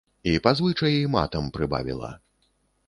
І па звычаі матам прыбавіла.